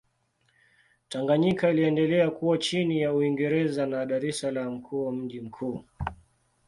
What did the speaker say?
Tanganyika iliendelea kuwa chini ya Uingereza na Dar es Salaam kuwa mji mkuu.